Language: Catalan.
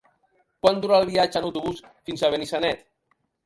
Quant dura el viatge en autobús fins a Benissanet?